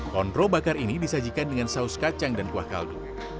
kondro bakar ini disajikan dengan saus kacang dan buah kaldu